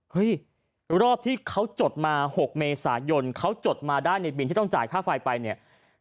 รอบที่เขาจดมา๖เมษายนเขาจดมาได้ในบินที่ต้องจ่ายค่าไฟไปเนี่ย